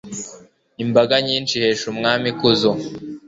imbaga nyinshi ihesha umwami ikuzo